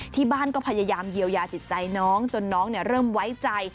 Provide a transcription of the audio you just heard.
ที่บ้านก็พยายามเยียวยาจิตใจน้องจนน้องเริ่มไว้ใจ